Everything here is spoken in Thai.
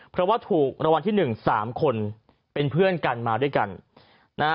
เพราะว่าถูกรวรรณที่๑๓คนเป็นเพื่อนกันมาด้วยกัน